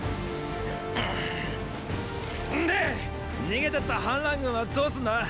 逃げてった反乱軍はどうすんだ⁉